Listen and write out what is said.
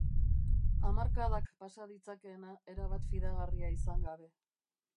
Hamarkadak pasa ditzakeena erabat fidagarria izan gabe.